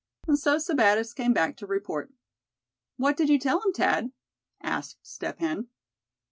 And so Sebattis came back to report." "What did you tell him, Thad?" asked Step Hen.